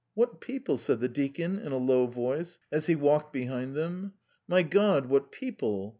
"What people!" said the deacon in a low voice, as he walked behind them. "My God, what people!